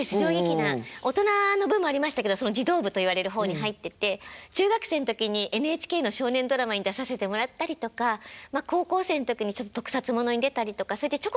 大人の部もありましたけど児童部といわれる方に入ってて中学生の時にＮＨＫの少年ドラマに出させてもらったりとかまあ高校生の時に特撮物に出たりとかちょこちょこお仕事はしてたんですよね。